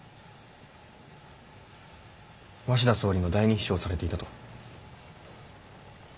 鷲田総理の第二秘書をされていたと。